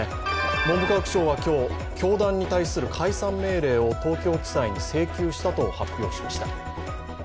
文部科学省は今日、教団に対する解散命令を東京地裁に請求したと発表しました。